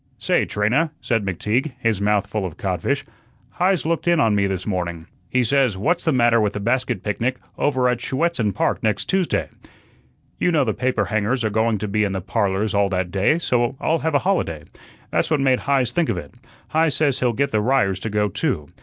"Say, Trina," said McTeague, his mouth full of codfish, "Heise looked in on me this morning. He says 'What's the matter with a basket picnic over at Schuetzen Park next Tuesday?' You know the paper hangers are going to be in the 'Parlors' all that day, so I'll have a holiday. That's what made Heise think of it. Heise says he'll get the Ryers to go too.